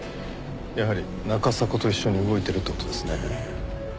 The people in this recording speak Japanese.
やはり中迫と一緒に動いてるって事ですね。